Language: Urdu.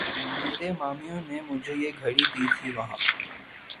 میریں مامیںں نیں مجھیں یہ گھڑی دی تھی وہاں